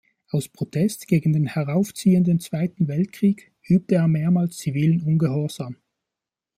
Aus Protest gegen den heraufziehenden Zweiten Weltkrieg übte er mehrmals zivilen Ungehorsam.